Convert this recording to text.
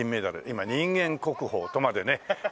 今人間国宝とまでね